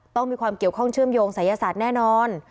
ต้องมีความเกี่ยวข้องเชื่อมโยงศัยศาสตร์แน่นอน